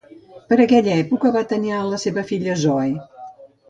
Per aquella època va tenir a la seva filla, Zoe.